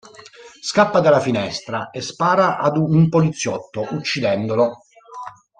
Scappa dalla finestra e spara ad un poliziotto, uccidendolo.